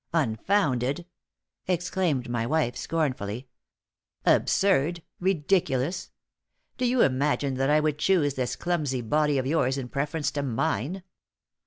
"Unfounded!" exclaimed my wife, scornfully. "Absurd! ridiculous! Do you imagine that I would choose this clumsy body of yours in preference to mine?